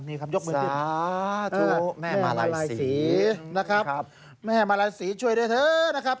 นี่ครับยกมือดีสาธุแม่มาลัยศรีนะครับแม่มาลัยศรีช่วยด้วยเถอะนะครับ